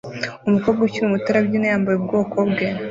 Umukobwa ukiri muto arabyina yambaye ubwoko bwe